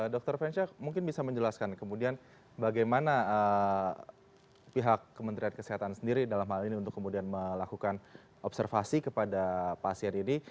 dr fensya mungkin bisa menjelaskan kemudian bagaimana pihak kementerian kesehatan sendiri dalam hal ini untuk kemudian melakukan observasi kepada pasien ini